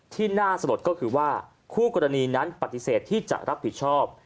ที่น่าสลดก็คือว่าคู่กรณีนั้นปฏิเสธที่จะรับผิดชอบ